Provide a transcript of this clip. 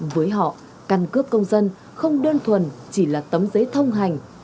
với họ căn cước công dân không đơn thuần chỉ là tấm giấy thông hành